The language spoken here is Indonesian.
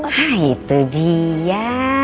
ah itu dia